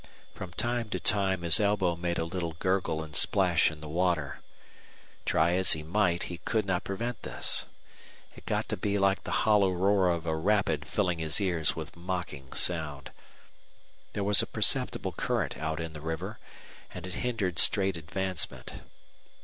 From time to time his elbow made a little gurgle and splash in the water. Try as he might, he could not prevent this. It got to be like the hollow roar of a rapid filling his ears with mocking sound. There was a perceptible current out in the river, and it hindered straight advancement.